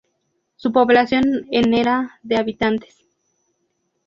Su población en era de habitantes.